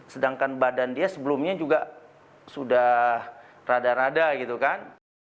sedangkan badan dia sebelumnya juga sudah rada rada gitu kan